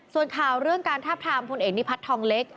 ส่วนข่าวเรื่องการทาบทามพลเอกนิพัฒน์ทองเล็ก